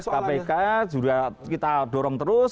kpk juga kita dorong terus